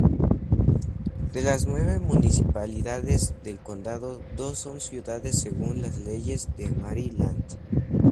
De las nueve municipalidades del condado dos son ciudades según las leyes de Maryland.